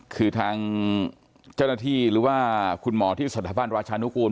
คือทางเจ้าหน้าที่หรือว่าคุณหมอที่สถาบันราชานุกูล